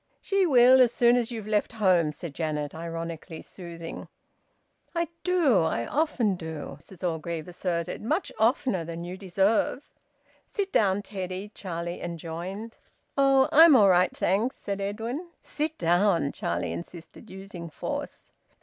"She will, as soon as you've left home," said Janet, ironically soothing. "I do, I often do!" Mrs Orgreave asserted. "Much oftener than you deserve." "Sit down, Teddy," Charlie enjoined. "Oh! I'm all right, thanks," said Edwin. "Sit down!" Charlie insisted, using force.